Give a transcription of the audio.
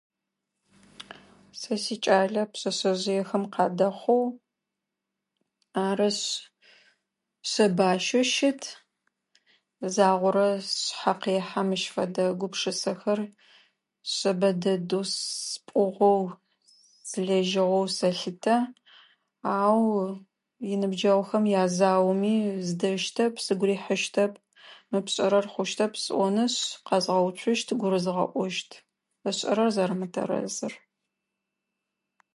Сэ сикӏалэ пшъэшъэжъыехэм къадэхъугъ. Арышъ шъэбащэу щыт. Загъорэ сшъхьэ къехьэ мыщ фэдэ гупшысэхэр шъэбэ дэдэу спӏугъэу, злэжьыгъэу сэлъытэ, ау иныбджэгъухэм язаоми здэщтэп, сыгу рихьыщтэп. Мы пшӏэрэр хъущтэп сӏонышъ къэзгъэуцущт, гурызгъэӏощт ышӏэрэр зэрэмытэрэзыр.